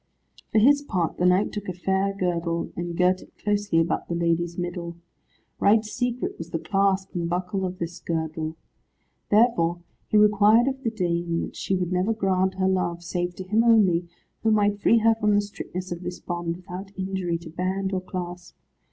For his part the knight took a fair girdle, and girt it closely about the lady's middle. Right secret was the clasp and buckle of this girdle. Therefore he required of the dame that she would never grant her love, save to him only, who might free her from the strictness of this bond, without injury to band or clasp.